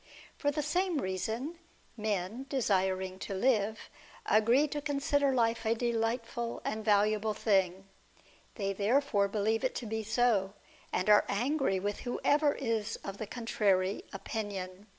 Tor the same reason, men, desiring to live, agree to con sider life a delightful and valuable thing ; they therefore believe it to be so, and are angry with whoever is of the contrary opinion.